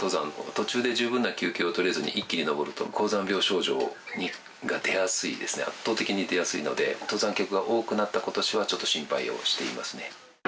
途中で十分な休憩をとれずに一気に登ると、高山病症状が出やすいですね、圧倒的に出やすいので、登山客が多くなったことしは、ちょっと心配をしていますね。